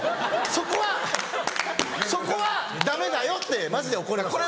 そこはそこはダメだよってマジで怒りました。